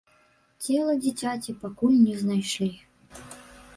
Цела дзіцяці пакуль не знайшлі.